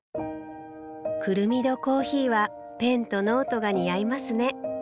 「クルミドコーヒーはペンとノートが似合いますね」